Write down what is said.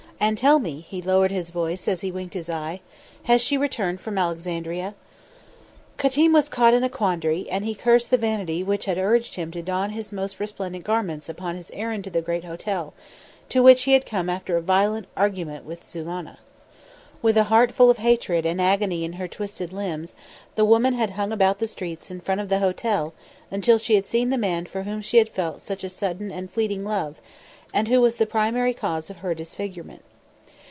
And, tell me" he lowered his voice as he winked his eye "has she returned from Alexandria?" Qatim was caught in a quandary, and he cursed the vanity which had urged him to don his most resplendent garments upon his errand to the great hotel, to which he had come after a violent argument with Zulannah. With a heart full of hatred, and agony in her twisted limbs the woman had hung about the streets in front of the hotel until she had seen the man for whom she had felt such a sudden and fleeting love, and who was the primary cause of her disfigurement.